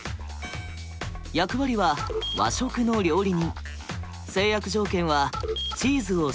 役割は「和食の料理人」。